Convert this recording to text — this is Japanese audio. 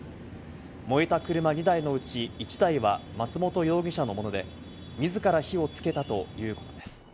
燃えた車２台のうち１台は松本容疑者のもので自ら火をつけたということです。